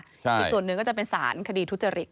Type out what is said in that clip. อีกส่วนหนึ่งก็จะเป็นสารคดีทุจริต